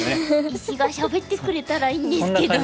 石がしゃべってくれたらいいんですけどね。